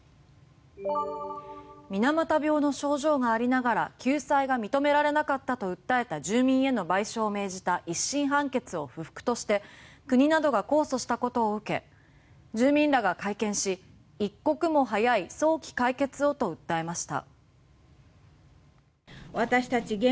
水俣病の症状がありながら救済が認められなかったと訴えた住民への賠償を命じた１審判決を不服として国などが控訴したことを受け住民らが会見し一刻も早い早期解決をと訴えました。